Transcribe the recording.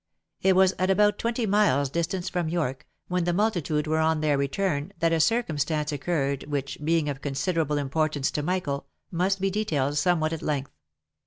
It was at about twenty miles distance from York, when the multi tude were on their return, that a circumstance occurred, which, being of considerable importance to Michael, must be detailed somewhat at length.